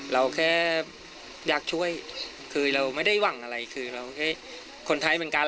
เราแค่อยากช่วยคือเราไม่ได้หวังอะไรคือเราเอ๊ะคนไทยเหมือนกัน